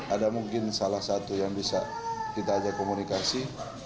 ada mungkin salah satu yang bisa kita ajak komunikasi